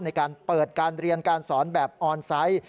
ในการเปิดการเรียนการสอนแบบออนไซต์